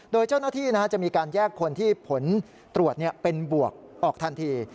โดยเจ้าหน้าที่จะมีการแยกคนที่ผลตรวจเป็นบวกออกทันที